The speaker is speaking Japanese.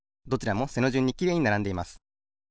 どちらも背のじゅんにきれいにならんでいます。